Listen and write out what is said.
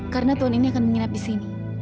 karena tuhan ini akan menginap di sini